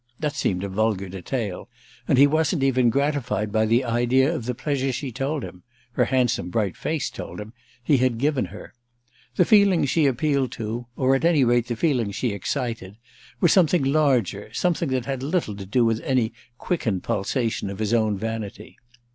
That seemed a vulgar detail, and he wasn't even gratified by the idea of the pleasure she told him—her handsome bright face told him—he had given her. The feeling she appealed to, or at any rate the feeling she excited, was something larger, something that had little to do with any quickened pulsation of his own vanity.